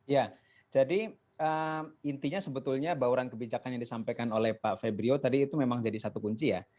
ya jadi intinya sebetulnya bauran kebijakan yang disampaikan oleh pak febrio tadi itu memang jadi satu kunci ya